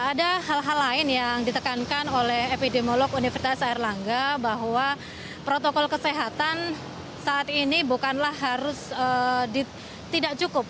ada hal hal lain yang ditekankan oleh epidemiolog universitas erlangga bahwa protokol kesehatan saat ini bukanlah harus tidak cukup